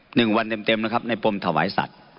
หนึ่งวันเต็มเต็มนะครับในปมถวายสัตว์